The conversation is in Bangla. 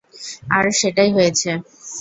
আর সেটাই হয়েছে।